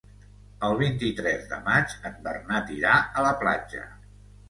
El vint-i-tres de maig en Bernat irà a la platja.